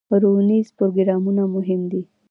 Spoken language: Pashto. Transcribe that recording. روزنیز پروګرامونه مهم دي